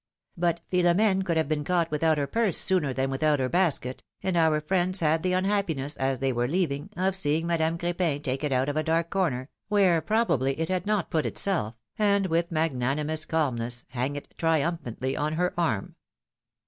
But Philomene could have been caught without her purse sooner than without her basket, and our friends had the unhappiness, as they were leaving, of seeing Madame Cr4pin take it out of a dark corner, where prob ably it had not put itself, and with magnanimous calm ness hang it triumphantly on her arm.